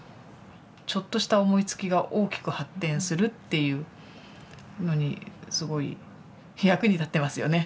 ちょっとした思いつきが大きく発展するっていうのにすごい役に立ってますよね。